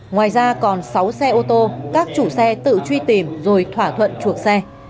ngoài ra còn sáu xe ô tô các chủ xe tự truy tìm rồi thỏa thuận chuộc xe